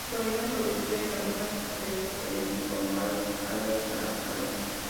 Clorinda sobrevive en algunas historias posteriores como un alias de Marian.